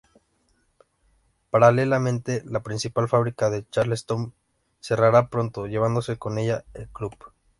Paralelamente, la principal fábrica de Charlestown cerrará pronto, llevándose con ella el club.